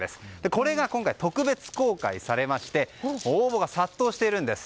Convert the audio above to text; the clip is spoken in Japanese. これが今回、特別公開されまして応募が殺到しているんです。